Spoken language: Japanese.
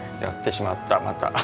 やってしまったまた。